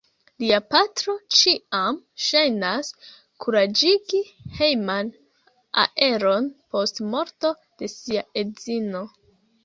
Lia patro ĉiam ŝajnas kuraĝigi hejman aeron post morto de sia edzino.